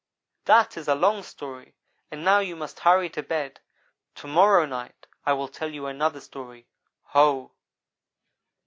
"That is a long story and now you must hurry to bed. To morrow night I will tell you another story Ho!"